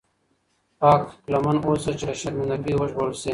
پاک لمن اوسه چې له شرمنده ګۍ وژغورل شې.